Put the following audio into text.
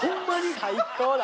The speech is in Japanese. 最高だな。